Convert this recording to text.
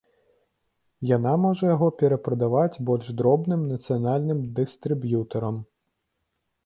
Яна можа яго перапрадаваць больш дробным нацыянальным дыстрыб'ютарам.